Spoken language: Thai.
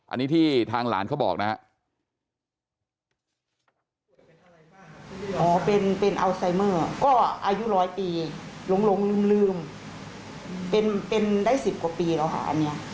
อันนี้ที่ทางหลานเขาบอกนะครับ